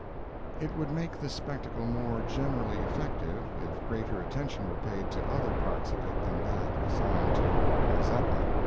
It would make the spectacle more generally effective, if greater attention were paid to other parts of it than that assigned to Mazeppa.